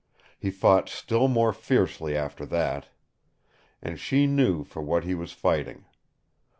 He fought still more fiercely after that. And she knew for what he was fighting.